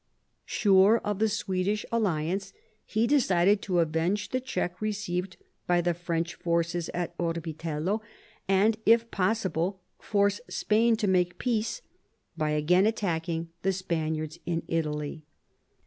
Sure of the Swedish alliance, he decided to avenge the check received by the French forces at Orbitello, and, if possible, force Spain to make peace, by again attacking the Spaniards in Italy.